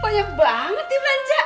banyak banget nih belanjaan